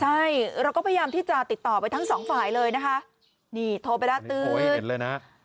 ใช่เราก็พยายามที่จะติดต่อเป็นทั้งสองฝ่ายเลยนะคะ